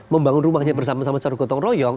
membangun rumahnya bersama sama secara gotong royong